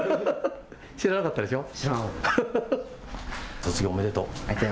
卒業おめでとう。